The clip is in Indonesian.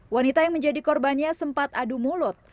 wanita yang menjadi korbannya sempat adu mulut